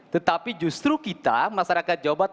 tetapi justru kita masyarakat jawa barat